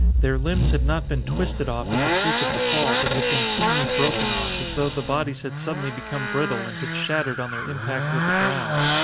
Their limbs had not been twisted off as a freak of the fall but had been cleanly broken off, as though the bodies had suddenly become brittle and had shattered on their impact with the ground.